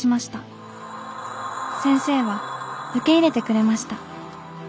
先生は受け入れてくれました。